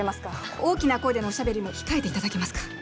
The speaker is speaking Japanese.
大きな声でのおしゃべりも控えて頂けますか。